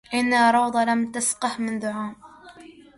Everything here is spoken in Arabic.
إن روضا لم تسقه منذ عام